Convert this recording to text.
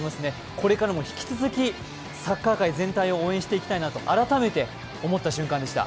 これからも引き続き、サッカー界全体を応援していきたいなと改めて思った瞬間でした。